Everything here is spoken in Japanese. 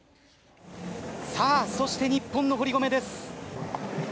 さあ、そして日本の堀米です。